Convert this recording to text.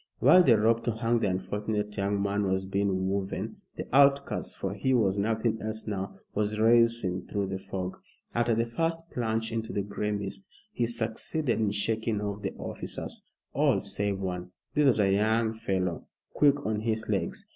While the rope to hang the unfortunate young man was being woven, the outcast for he was nothing else now was racing through the fog. After the first plunge into the gray mist, he succeeded in shaking off the officers all save one. This was a young fellow, quick on his legs.